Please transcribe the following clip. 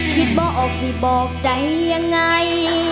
บอกออกสิบอกใจยังไง